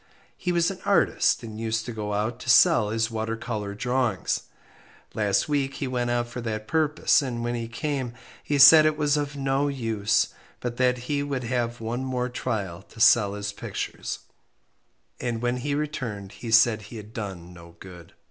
He was an artist, and used to go out to sell his water colour drawings. Last week he went out for that purpose, and when he came he said it was of no use, but that he would have one more trial to sell his pictures, and when he returned he said he had done no good.